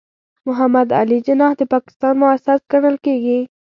محمد علي جناح د پاکستان مؤسس ګڼل کېږي.